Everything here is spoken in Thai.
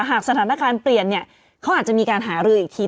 หากสถานการณ์เปลี่ยนเนี่ยเขาอาจจะมีการหารืออีกที